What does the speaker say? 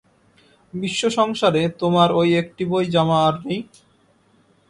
বিশ্বসংসারে তোমার ওই একটি বৈ জামা আর নেই?